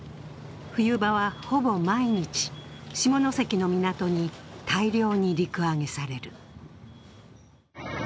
冬場はほぼ毎日、下関の港に大量に陸揚げされる。